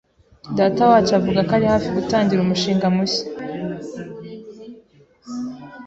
Datawacu avuga ko ari hafi gutangira umushinga mushya.